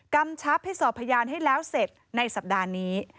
กำชับให้สอบพยานให้แล้วเสร็จในสัปดาห์นี้